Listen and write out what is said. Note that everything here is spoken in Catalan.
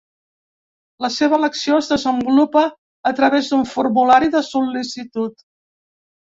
La seua elecció es desenvolupa a través d’un formulari de sol·licitud.